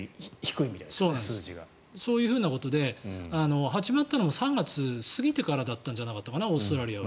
そういうことで、始まったのが３月過ぎてからだったんじゃなかったかなオーストラリアは。